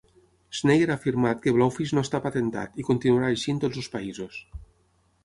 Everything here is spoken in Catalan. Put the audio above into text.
Schneier ha afirmat que Blowfish no està patentat i continuarà així en tots els països.